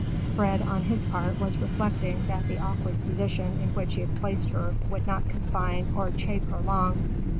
Fred, on his part, was reflecting that the awkward position in which he had placed her would not confine or chafe her long.